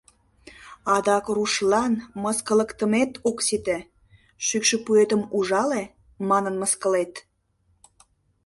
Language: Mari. — Адак рушлан мыскылыктымет ок сите, «шӱкшӧ пуэтым ужале» манын мыскылет.